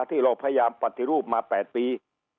ที่เราพยายามปฏิรูปมา๘ปี